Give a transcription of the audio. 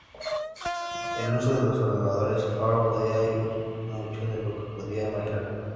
El uso de los ordenadores, ahora podía oír mucho de lo que podía imaginar.